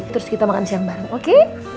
terus kita makan siang bareng oke